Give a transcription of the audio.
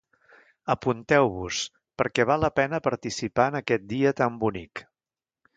Apunteu-vos, perquè val la pena participar en aquest dia tan bonic.